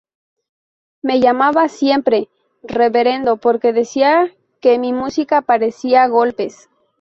Me llamaba siempre "Reverendo" porque decía que mi música parecía Gospel.